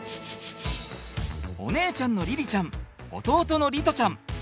お姉ちゃんの凛々ちゃん弟の璃士ちゃん。